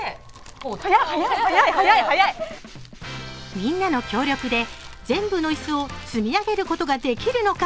みんなの協力で全部の椅子を積み上げることができるのか。